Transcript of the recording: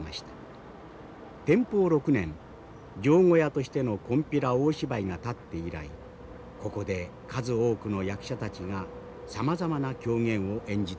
天保６年定小屋としての金毘羅大芝居が建って以来ここで数多くの役者たちがさまざまな狂言を演じてきました。